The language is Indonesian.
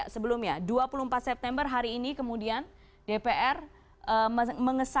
sebelumnya dua puluh empat september hari ini kemudian dpr